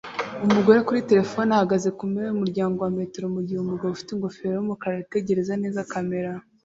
Umugore kuri terefone ahagaze kumpera yumuryango wa metero mugihe umugabo ufite ingofero yumukara yitegereza neza kamera